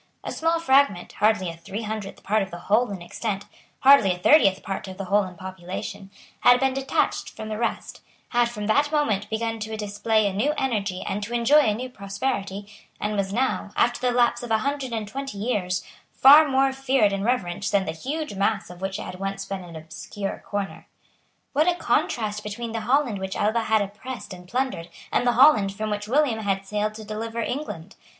A small fragment, hardly a three hundredth part of the whole in extent, hardly a thirtieth part of the whole in population, had been detached from the rest, had from that moment begun to display a new energy and to enjoy a new prosperity, and was now, after the lapse of a hundred and twenty years, far more feared and reverenced than the huge mass of which it had once been an obscure corner. What a contrast between the Holland which Alva had oppressed and plundered, and the Holland from which William had sailed to deliver England!